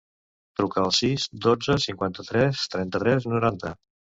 Truca al sis, dotze, cinquanta-tres, trenta-tres, noranta.